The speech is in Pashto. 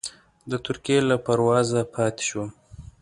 د ترکیې له پروازه پاتې شوم.